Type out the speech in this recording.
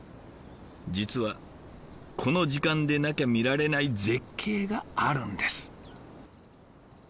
実はこの時間でなきゃ見られない絶景があるんです。